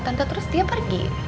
tante terus dia pergi